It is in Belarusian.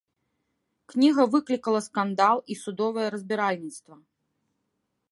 Кніга выклікала скандал і судовае разбіральніцтва.